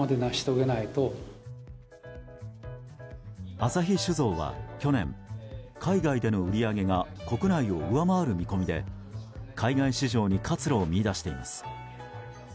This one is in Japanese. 旭酒造は去年、海外での売り上げが国内を上回る見込みで海外市場に活路を見いだしています。